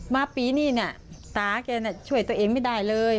มาปีนี้น่ะตาแกช่วยตัวเองไม่ได้เลย